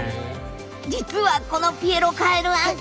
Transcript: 実はこのピエロカエルアンコウ